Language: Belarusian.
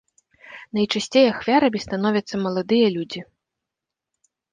Найчасцей ахвярамі становяцца маладыя людзі.